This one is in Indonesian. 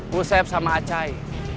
busep sama acai